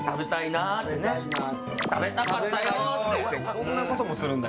こんなこともするんだ。